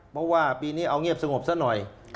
เพราะว่าปีนี้เอาเงียบสงบซะหน่อย